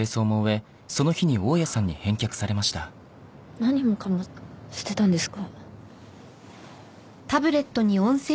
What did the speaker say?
何もかも捨てたんですか？